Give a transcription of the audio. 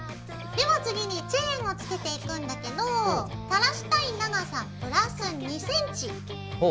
では次にチェーンをつけていくんだけど垂らしたい長さプラス２ｃｍで切ります。